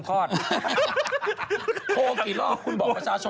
อันนี้ก็ก็ใช่ไง